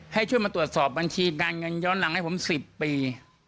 ให้ช่วยมาตรวจสอบบัญชีการเงินย้อนหลังให้ผม๑๐ปี